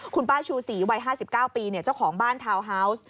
คุณป้าชูศรีวัย๕๙ปีเจ้าของบ้านทาวน์ฮาวส์